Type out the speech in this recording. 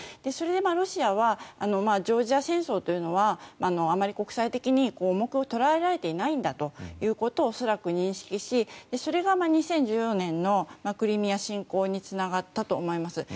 それでロシアはジョージア戦争というのはあまり国際的に重く捉えられていないんだと恐らく認識しそれが２０１４年のクリミア侵攻につながったと思います。